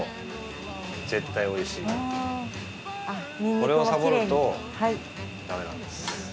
これをサボるとだめなんです。